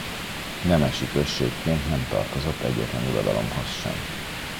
Nemesi községként nem tartozott egyetlen uradalomhoz sem.